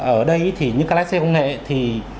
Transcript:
ở đây thì những cái lái xe công nghệ thì